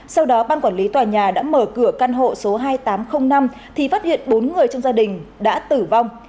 sau đó ban quản lý tòa nhà đã mở cửa căn hộ số hai nghìn tám trăm linh năm thì phát hiện bốn người trong gia đình đã tử vong